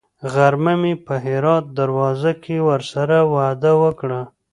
غرمه مې په هرات دروازه کې ورسره وعده وکړه.